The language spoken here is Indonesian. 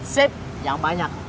sip yang banyak